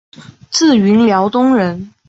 自云辽东人。